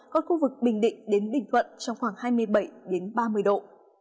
còn khu vực bình định đến bình thuận trong khoảng hai mươi bảy ba mươi độ